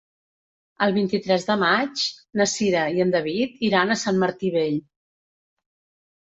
El vint-i-tres de maig na Cira i en David iran a Sant Martí Vell.